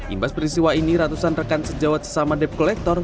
imbas perisiwa ini ratusan rekan sejawat sesama dep kolektor